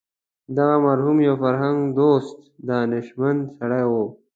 دغه مرحوم یو فرهنګ دوست دانشمند سړی و.